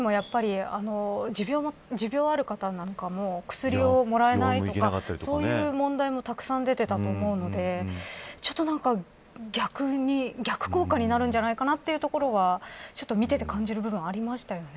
生活するにもやっぱり持病がある方なんかも薬をもらえないとかそういう問題もたくさん出ていたと思うので逆効果になるんじゃないかというところは見ていて感じる部分がありました。